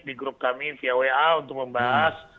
di grup kami via wa untuk membahas